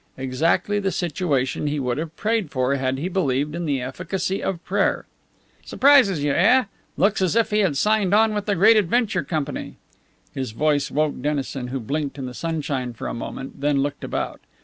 Exactly the situation he would have prayed for had he believed in the efficacy of prayer. "Surprises you, eh? Looks as if he had signed on with the Great Adventure Company." His voice woke Dennison, who blinked in the sunshine for a moment, then looked about.